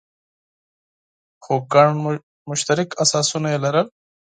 خو ګڼ مشترک اساسونه یې لرل.